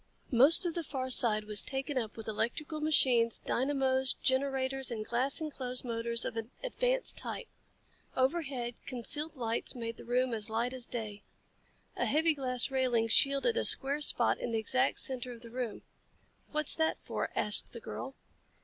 Most of the far side was taken up with electrical machines, dynamos, generators and glass enclosed motors of an advanced type. Overhead, concealed lights made the room as light as day. A heavy glass railing shielded a square spot in the exact center of the room. "What's that for?" asked the girl.